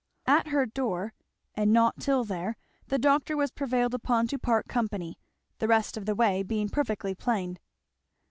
At her door, and not till there, the doctor was prevailed upon to part company, the rest of the way being perfectly plain.